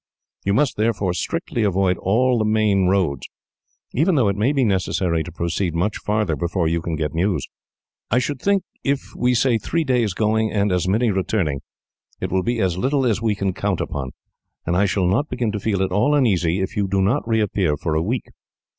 You must, therefore, strictly avoid all the main roads, even though it may be necessary to proceed much farther before you can get news. I should think, if we say three days going and as many returning, it will be as little as we can count upon; and I shall not begin to feel at all uneasy, if you do not reappear for a week.